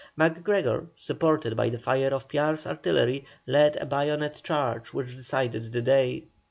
MacGregor, supported by the fire of Piar's artillery, led a bayonet charge which decided the day.